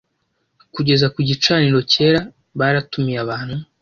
Kugeza ku gicaniro cyera baratumiye abantu